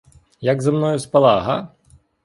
Як зо мною спала, га?